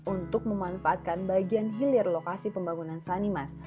untuk memanfaatkan bagian hilir lokasi pembangunan sanimas